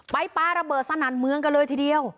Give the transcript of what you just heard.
ปลาระเบิดสนั่นเมืองกันเลยทีเดียว